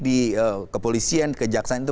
di kepolisian kejaksaan itu